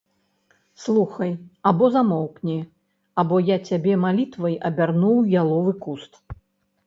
Слухай, або замоўкні, або я цябе малітвай абярну ў яловы куст.